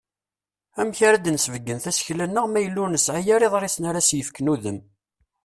Amek ara d-nsebgen tasekla-nneɣ ma yella ur nesƐi ara iḍrisen ara as-yefken udem?